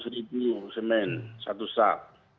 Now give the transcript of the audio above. rp lima ratus cemen satu saat